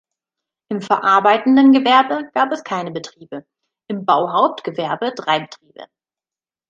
Im verarbeitenden Gewerbe gab es keine Betriebe, im Bauhauptgewerbe drei Betriebe.